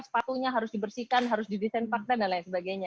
sepatunya harus dibersihkan harus didesain fakta dan lain sebagainya